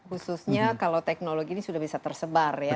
khususnya kalau teknologi ini sudah bisa tersebar ya